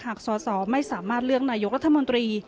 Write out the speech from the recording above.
สอสอไม่สามารถเลือกนายกรัฐมนตรี